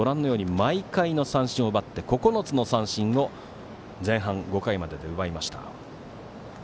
毎回の三振を奪って９つの三振を前半５回までで奪いました。